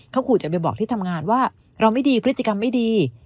เขาขู่จะไปบอกที่ทำงานว่าเราไม่ดีพฤติกรรมไม่ดี